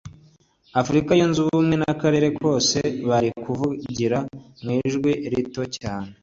Afurika yunze ubumwe n’akarere kose bari kuvugira mu ijwi rito cyane…”